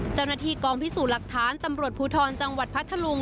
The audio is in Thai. เจ้าหน้าที่กองพิสูจน์หลักฐานตำรวจภูทรจังหวัดพัทธลุง